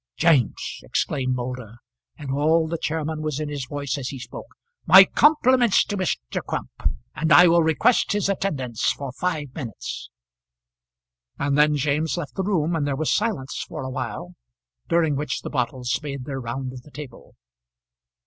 "James," exclaimed Moulder, and all the chairman was in his voice as he spoke, "my compliments to Mr. Crump, and I will request his attendance for five minutes;" and then James left the room, and there was silence for a while, during which the bottles made their round of the table.